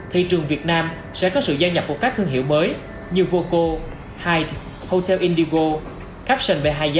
thị trường việt nam sẽ có sự gia nhập một các thương hiệu mới như voco hyde hotel indigo capsule behayat l bảy và garia